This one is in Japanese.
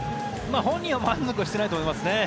本人は満足してないと思いますね。